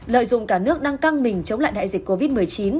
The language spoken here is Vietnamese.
lợi dụng cả nước đang căng mình chống lại đại dịch covid một mươi chín